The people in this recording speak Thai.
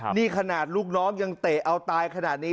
นี่ขนาดลูกน้องยังเตะเอาตายขนาดนี้